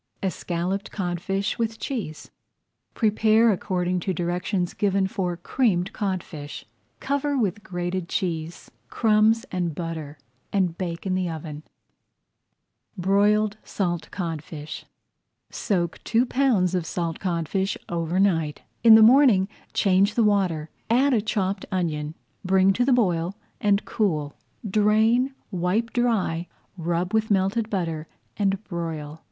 ESCALLOPED CODFISH WITH CHEESE Prepare according to directions given for Creamed Codfish. Cover with grated cheese, crumbs, and butter, and bake in the oven. [Page 101] BROILED SALT CODFISH Soak two pounds of salt codfish over night. In the morning change the water, add a chopped onion, bring to the boil, and cool. Drain, wipe dry, rub with melted butter, and broil.